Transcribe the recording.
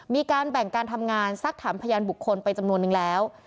มีการแบ่งการทำงานสักถามพยานบุคคลไปจำนวนนึงแล้ว